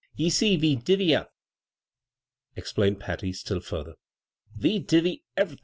"Ye see, we diwy up," explained Patty stiil further. " We diwy ev'rythin'.